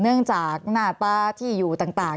เนื่องจากหน้าตาที่อยู่ต่าง